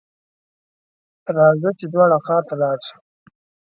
راځه ! چې دواړه ښار ته ولاړ شو.